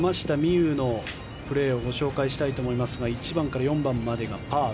夢有のプレーをご紹介したいと思いますが１番から４番までがパー。